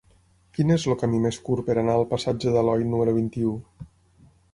Quin és el camí més curt per anar al passatge d'Aloi número vint-i-u?